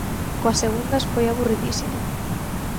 Coas segundas foi aburridísimo.